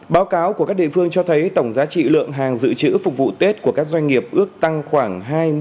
báo cáo của các địa phương cho thấy tổng giá trị lượng hàng dự trữ phục vụ tết của các doanh nghiệp ước tăng khoảng hai mươi